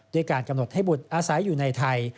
การกำหนดให้บุตรอาศัยอยู่ในไทย